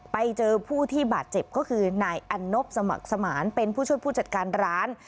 ไปเจอผู้ที่บาดเจ็บก็คือนายอันนบสมัครสมานเป็นผู้ช่วยผู้จัดการร้าน